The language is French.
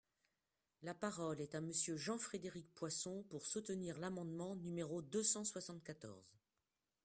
La parole est à Monsieur Jean-Frédéric Poisson, pour soutenir l’amendement numéro deux cent soixante-quatorze.